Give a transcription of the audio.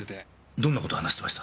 どんな事話してました？